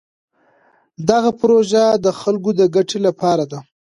دغه پروژه د خلکو د ګټې لپاره ده.